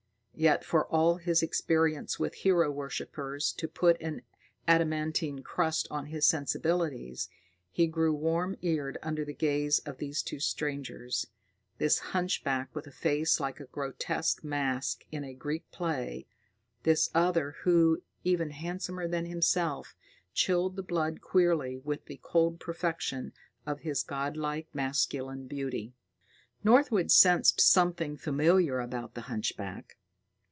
Yet, for all his experience with hero worshippers to put an adamantine crust on his sensibilities, he grew warm eared under the gaze of these two strangers this hunchback with a face like a grotesque mask in a Greek play, this other who, even handsomer than himself, chilled the blood queerly with the cold perfection of his godlike masculine beauty. Northwood sensed something familiar about the hunchback.